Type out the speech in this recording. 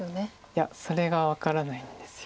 いやそれが分からないんです。